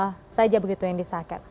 hanya delapan puluh saja begitu yang disahkan